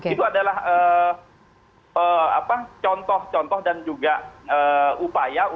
itu adalah contoh contoh dan juga upaya